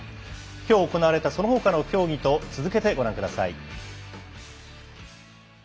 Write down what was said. きょう行われた、そのほかの競技と続けてご覧ください。